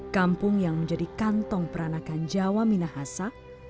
kampung yang menjadi kantong peranakan jawa minahasa